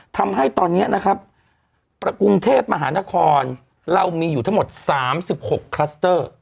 ทำให้ตอนนี้นะครับประกรุงเทพมหานครเรามีอยู่ทั้งหมด๓๖คลัสเตอร์